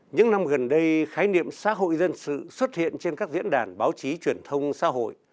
những năm gần đây khái niệm xã hội dân sự xuất hiện trên các diễn đàn báo chí truyền thông xã hội